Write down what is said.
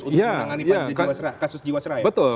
untuk menangani kasus jiwaseraya betul